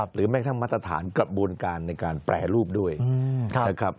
หรือแม้กระทั่งมาตรฐานกระบวนการในการแปรรูปด้วยนะครับ